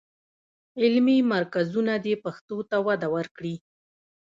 علمي مرکزونه دې پښتو ته وده ورکړي.